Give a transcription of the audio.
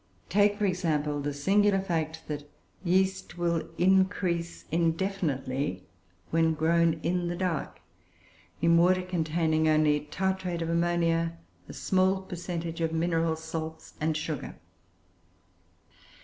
Take, for example, the singular fact that yeast will increase indefinitely when grown in the dark, in water containing only tartrate of ammonia a small percentage of mineral salts and sugar.